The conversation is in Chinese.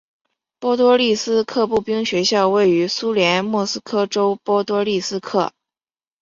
波多利斯克步兵学校位于苏联莫斯科州波多利斯克。